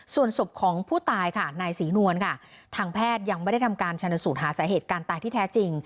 ส่วนศพของผู้ตายค่ะนายศรีนวลค่ะทางแพทย์ยังไม่ได้ทำการชนสูตรหาสาเหตุการตายที่แท้จริง